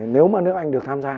nếu mà nước anh được tham gia